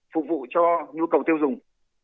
phục vụ cho nhu cầu tiêu dùng